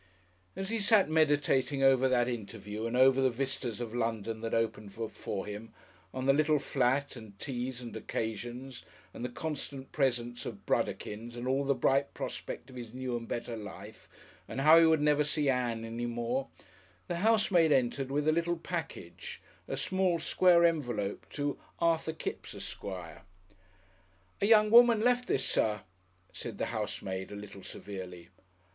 As he sat meditating over that interview and over the vistas of London that opened before him, on the little flat, and teas and occasions and the constant presence of Brudderkins and all the bright prospect of his new and better life, and how he would never see Ann any more, the housemaid entered with a little package, a small, square envelope to "Arthur Kipps, Esquire." "A young woman left this, Sir," said the housemaid, a little severely.